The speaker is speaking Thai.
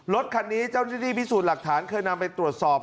รถคันนี้เจ้าหน้าที่พิสูจน์หลักฐานเคยนำไปตรวจสอบ